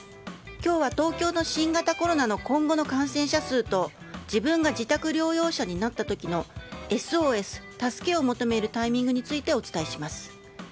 今日は東京の新型コロナの今後の感染者数と自分が自宅療養者になった時のＳＯＳ、助けを求めるタイミングについてお伝えします。